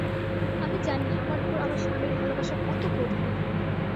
আমি জানি আমার উপর আমার স্বামীর ভালোবাসা কত গভীর।